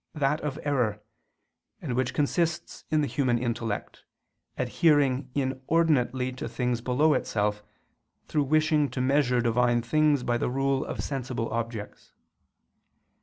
that of error, and which consists in the human intellect, adhering inordinately to things below itself, through wishing to measure Divine things by the rule of sensible objects.